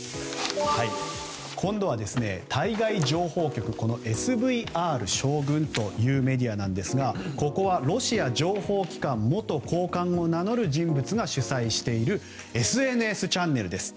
今度は対外情報局ＳＶＲ将軍というメディアなんですがここはロシア情報機関元高官を名乗る人物が主宰しているＳＮＳチャンネルです。